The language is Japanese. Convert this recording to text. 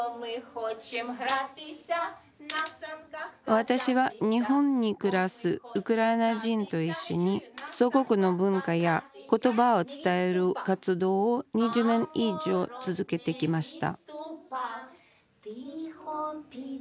私は日本に暮らすウクライナ人と一緒に祖国の文化や言葉を伝える活動を２０年以上続けてきました